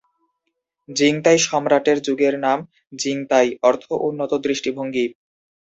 জিংতাই সম্রাটের যুগের নাম, "জিংতাই", অর্থ "উন্নত দৃষ্টিভঙ্গি"।